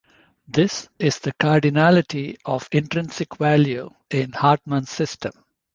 This is the cardinality of "intrinsic value" in Hartman's system.